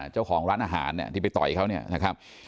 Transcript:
เจ้าของร้านอาหารที่ไปต่อยต่อเช้า